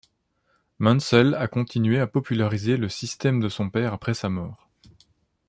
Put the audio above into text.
Munsell a continué à populariser le système de son père après sa mort.